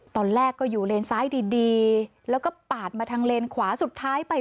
ตอนแรกก็อยู่เลนซ้ายดีแล้วก็ปาดมาทางเลนขวาสุดท้ายไป